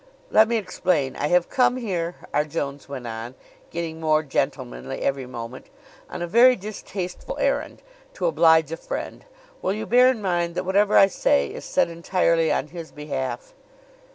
"Let me explain: I have come here," R. Jones went on, getting more gentlemanly every moment, "on a very distasteful errand, to oblige a friend. Will you bear in mind that whatever I say is said entirely on his behalf?"